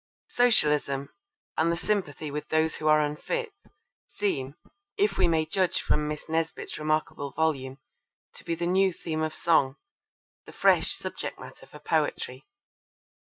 Socialism, and the sympathy with those who are unfit, seem, if we may judge from Miss Nesbit's remarkable volume, to be the new theme of song, the fresh subject matter for poetry.